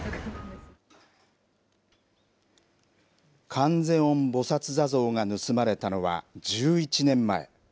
観世音菩薩坐像が盗まれたのは１１年前。